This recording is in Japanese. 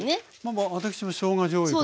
私もしょうがじょうゆかな。